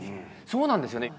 そうなんですよね。